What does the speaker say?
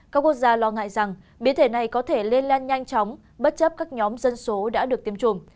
các quốc gia lo ngại rằng biến thể này có thể lên lan nhanh chóng bất chấp các nhóm dân số đã được tiêm chủng